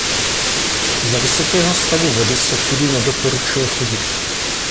Za vysokého stavu vody se tudy nedoporučuje chodit.